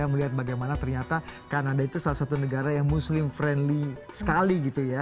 melihat bagaimana ternyata kanada itu salah satu negara yang muslim friendly sekali gitu ya